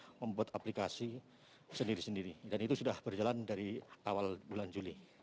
masing masing kpp sudah melakukan inovasi membuat aplikasi sendiri sendiri dan itu sudah berjalan dari awal bulan juli